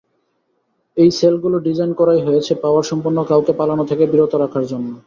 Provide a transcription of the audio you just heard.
এই সেলগুলো ডিজাইন করাই হয়েছে পাওয়ার সম্পন্ন কাউকে পালানো থেকে বিরত রাখার জন্য।